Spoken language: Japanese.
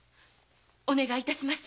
お願いいたします